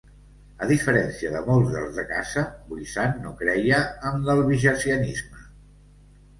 A diferència de molts dels de casa, Vuissane no creia en l'albigesianisme.